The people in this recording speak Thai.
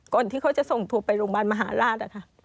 ที่เขาจะส่งตัวไปโรงพยาบาลมหาราช